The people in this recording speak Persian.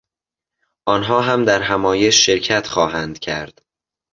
آنها هم در همایش شرکت خواهند کرد.